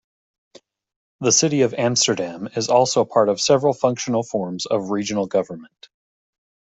The city of Amsterdam is also part of several functional forms of regional government.